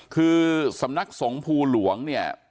คือสำนักสงภูหลวงเนี่ย